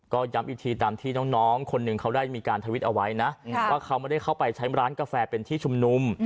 ก็ย้ำอีกทีตามที่น้องคนหนึ่งเขาได้มีการทวิตเอาไว้นะว่าเขาไม่ได้เข้าไปใช้ร้านกาแฟเป็นที่ชุมนุม